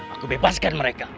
aku akan bebas mereka